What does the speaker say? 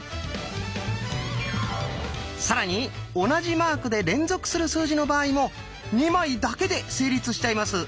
更に同じマークで連続する数字の場合も２枚だけで成立しちゃいます。